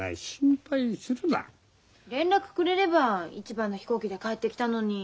連絡くれれば一番の飛行機で帰ってきたのに。